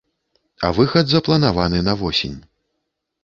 А выхад запланаваны на восень.